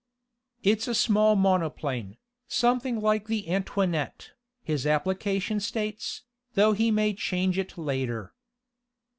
"It's a small monoplane, something like the Antoinette, his application states, though he may change it later."